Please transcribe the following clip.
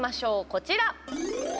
こちら。